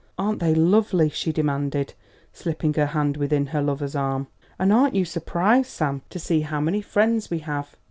"Aren't they lovely?" she demanded, slipping her hand within her lover's arm; "and aren't you surprised, Sam, to see how many friends we have?"